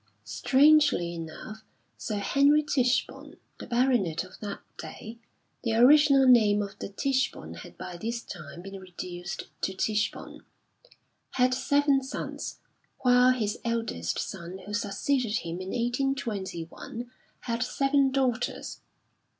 Strangely enough Sir Henry Tichborne, the baronet of that day (the original name of de Ticheborne had by this time been reduced to Tichborne), had seven sons, while his eldest son who succeeded him in 1821, had seven daughters.